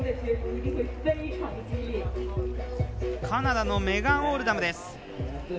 カナダのメガン・オールダムです。